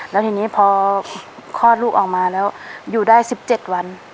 แล้วทีนี้พอคลอดลูกออกมาแล้วอยู่ได้๑๗วัน